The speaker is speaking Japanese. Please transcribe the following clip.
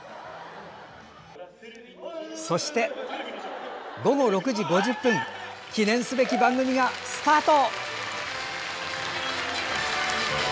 そして、午後６時５０分記念すべき番組がスタート。